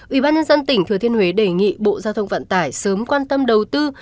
ủy ban nhân dân tỉnh thừa thiên huế đề nghị bộ giao thông vận tải sớm quan tâm đầu tư